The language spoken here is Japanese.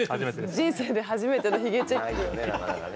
人生で初めてのヒゲチェック。